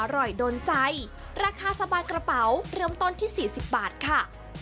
อร่อยโดนใจราคาสบายกระเป๋าเริ่มต้นที่๔๐บาทค่ะ